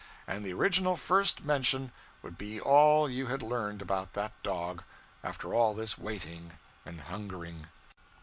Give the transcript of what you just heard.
And the original first mention would be all you had learned about that dog, after all this waiting and hungering.